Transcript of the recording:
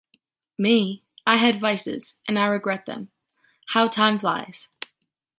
Me, I had vices, and I regret them... how time flies!